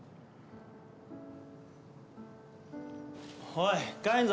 おい帰るぞ。